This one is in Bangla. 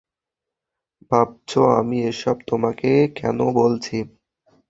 ভাবছো, আমি এসব তোমাকে কেন বলছি।